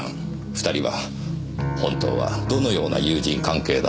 二人は本当はどのような友人関係だったのでしょうねえ。